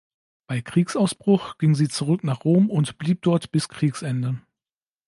Bei Kriegsausbruch ging sie zurück nach Rom und blieb dort bis Kriegsende.